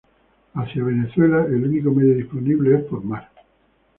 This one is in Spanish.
Hacia Venezuela el único medio disponible es por mar.